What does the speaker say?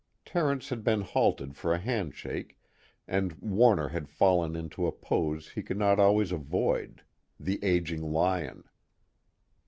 Terence had been halted for a handshake, and Warner had fallen into a pose he could not always avoid: the aging lion.